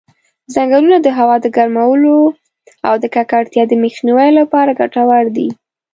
ځنګلونه د هوا د ګرمولو او د ککړتیا د مخنیوي لپاره ګټور دي.